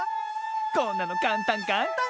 こんなのかんたんかんたん！